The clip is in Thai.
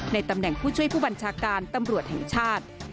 ตำแหน่งผู้ช่วยผู้บัญชาการตำรวจแห่งชาติ